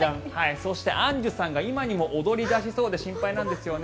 そして、アンジュさんが今にも踊り出しそうで心配なんですよね。